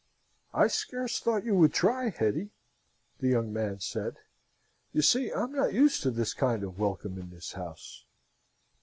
"I scarce thought you would try, Hetty," the young man said. You see, I'm not used to this kind of welcome in this house."